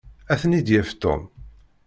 Ad ten-id-yaf Tom.